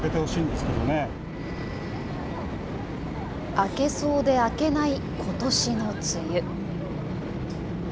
明けそうで明けないことしの梅雨。